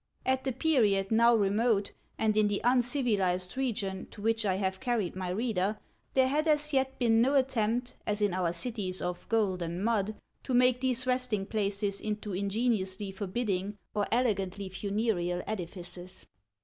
At the period now 26 HANS OF ICELAND. remote, and in the uncivilized region to which I have carried my reader, there had as yet been no attempt, as in our cities of gold and mud, to make these resting places into ingeniously forbidding or elegantly funereal edifices.